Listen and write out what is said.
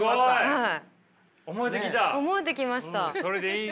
はい。